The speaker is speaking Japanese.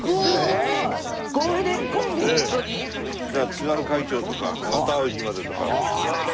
『津軽海峡』とか『また逢う日まで』とか。